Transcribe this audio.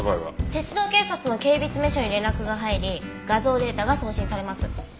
鉄道警察の警備詰所に連絡が入り画像データが送信されます。